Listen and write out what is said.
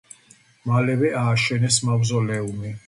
მალევე ააშენეს მავზოლეუმი.